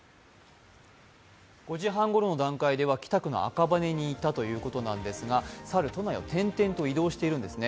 ５時半ぐらいの段階では、北区の赤羽にいたということですが、猿、都内を転々と移動しているんですね。